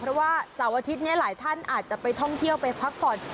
เพราะว่าเสาร์อาทิตย์นี้หลายท่านอาจจะไปท่องเที่ยวไปพักผ่อน